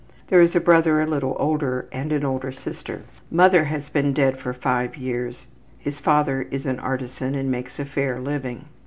There is a brother a little older and an older sister. Mother has been dead for 5 years. His father is an artisan and makes a fair living.